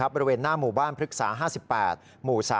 บริเวณหน้าหมู่บ้านพฤกษา๕๘หมู่๓